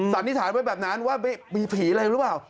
สันนิษฐานไว้แบบนั้นว่ามีผีอะไรหรือเปล่า